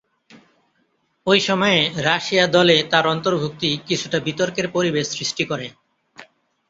ঐ সময়ে রাশিয়া দলে তার অন্তর্ভুক্তি কিছুটা বিতর্কের পরিবেশ সৃষ্টি করে।